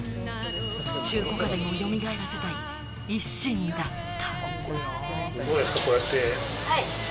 中古家電をよみがえらせたい一心だった。